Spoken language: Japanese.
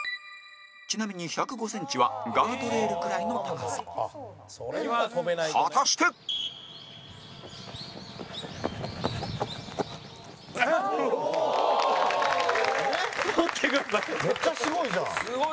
ちなみに、１０５ｃｍはガードレールくらいの高さ果たして待ってください！